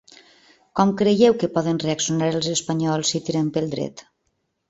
Com creieu que poden reaccionar els espanyols si tirem pel dret?